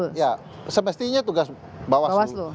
ya semestinya tugas bawaslu